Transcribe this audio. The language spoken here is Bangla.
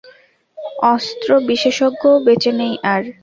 অস্ত্র বিশেষজ্ঞও বেঁচে নেই আর।